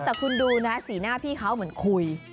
แต่คุณดูนะสีหน้าพี่เขาเหมือนคุย